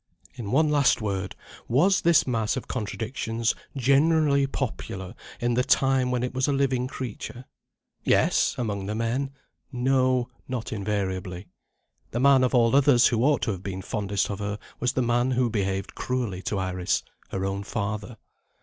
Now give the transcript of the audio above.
In one last word, was this mass of contradictions generally popular, in the time when it was a living creature? Yes among the men. No not invariably. The man of all others who ought to have been fondest of her was the man who behaved cruelly to Iris her own father.